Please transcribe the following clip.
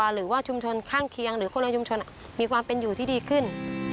หรือว่าชุมชนข้างเคียงหรือคนในชุมชนมีความเป็นอยู่ที่ดีขึ้น